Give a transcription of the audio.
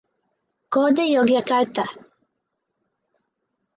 Code Yogyakarta.